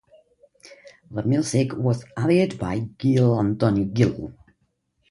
The music was added by Gil Antonio Gil.